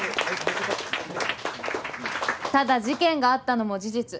ただ事件があったのも事実。